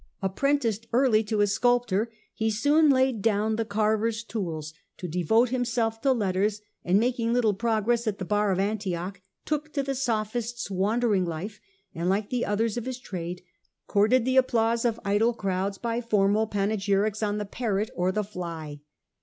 Apprenticed early to a sculptor, he soon laid down the carver's tools to devote himself to letters, and ^ making little progress at the bar of Antioch, took to the Sophist's wandering life, and, like the others of his trade, courted the applause of idle crowds by formal panegyrics on the Parrot or the Fly.